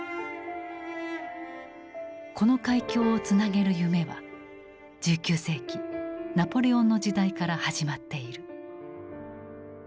この海峡をつなげる夢は１９世紀ナポレオンの時代から始まっている。